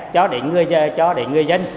cho đến người dân